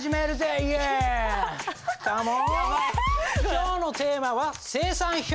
「今日のテーマは精算表」